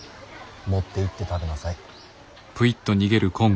持っていって食べなさい。